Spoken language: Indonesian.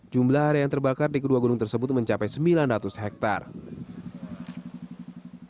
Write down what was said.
jumlah area yang terbakar di kedua gunung tersebut mencapai sembilan ratus hektare